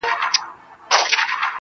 • په سپورږمۍ كي ستا تصوير دى.